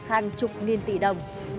hàng chục nghìn tỷ đồng